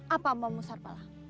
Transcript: apa mau mu sarpalah